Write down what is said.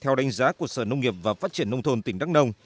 theo đánh giá của sở nông nghiệp và phát triển nông thôn tỉnh đắk nông